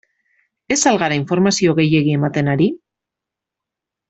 Ez al gara informazio gehiegi ematen ari?